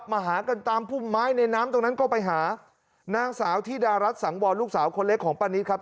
มาหากันตามพุ่มไม้ในน้ำตรงนั้นก็ไปหานางสาวธิดารัฐสังวรลูกสาวคนเล็กของป้านิตครับ